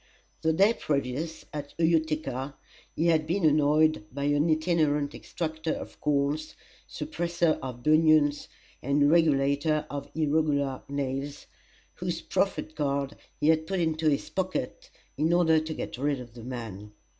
The day previous, at Utica, he had been annoyed by an itinerant extractor of corns, suppressor of bunions, and regulator of irregular nails, whose proffered card he had put into his pocket in order to get rid of the man.